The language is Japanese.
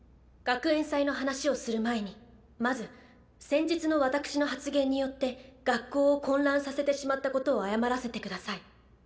学園祭の話をする前にまず先日のわたくしの発言によって学校を混乱させてしまったことを謝らせて下さい。